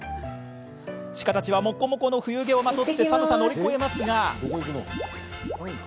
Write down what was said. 鹿たちは、もっこもこの冬毛をまとって寒さを乗り越えますが。